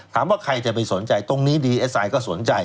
ถามว่าใครจะไปสนใจตรงนี้ดีเอสไอก็สนใจ